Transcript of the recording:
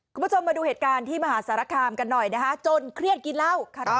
กับไปดูเหตุการที่มหาศาลคามกันหน่อยนะข้าจนเครียดกินพระคาดแล้ว